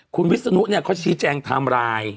คุณวิศนุกเนี่ยเขาชี้แจงทำราย